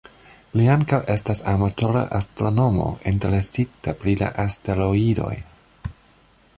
Li ankaŭ estas amatora astronomo interesita pri la asteroidoj.